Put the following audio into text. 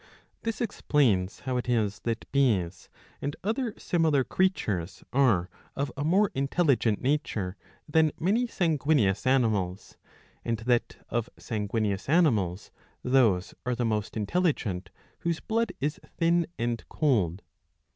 This explains how it is that bees^ and other similar creatures are of a more intelligent nature than many sanguineous animals ; and that, of sanguineous animals, those are the most intelligent whose blood is thin and cold.